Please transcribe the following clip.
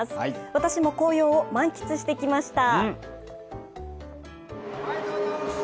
私も紅葉を満喫してきました。